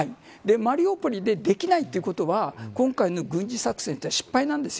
マリウポリで、できないということは今回の軍事作戦は失敗なんです。